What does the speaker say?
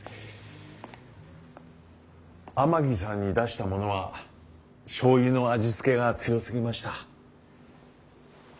天城さんに出したものはしょうゆの味付けが強すぎました。